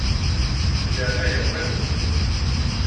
Di leɛnaya-m ɣiwel!